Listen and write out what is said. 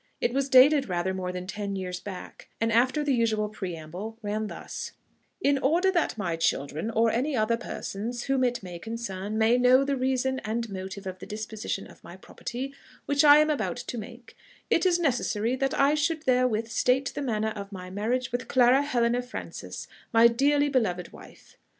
It was dated rather more than ten years back, and, after the usual preamble, ran thus: "In order that my children, or any other persons whom it may concern, may know the reason and motive of the disposition of my property which I am about to make, it is necessary that I should therewith state the manner of my marriage with Clara Helena Frances, my dearly beloved wife.